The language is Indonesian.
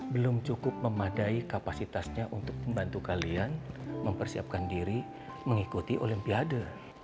belum cukup memadai kapasitasnya untuk membantu kalian mempersiapkan diri mengikuti olimpiade